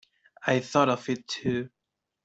I thought of it too.